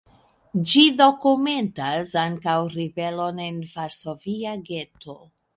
Ĝi dokumentas ankaŭ ribelon en varsovia geto.